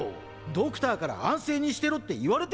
ドクターから安静にしてろって言われてんだぞ！